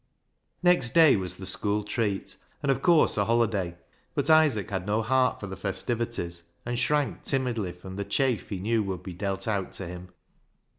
Next day was the school treat, and of course a holiday, but Isaac had no heart for the fes tivities, and shrank timidly from the chaff he knew would be dealt out to him.